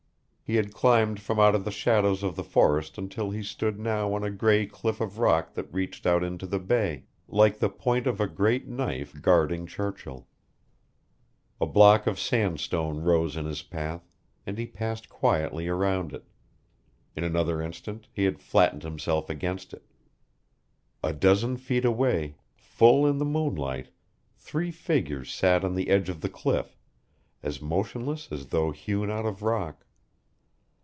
He had climbed from out of the shadow of the forest until he stood now on a gray cliff of rock that reached out into the Bay, like the point of a great knife guarding Churchill. A block of sandstone rose in his path, and he passed quietly around it. In another instant he had flattened himself against it. A dozen feet away, full in the moonlight, three figures sat on the edge of the cliff, as motionless as though hewn out of rock.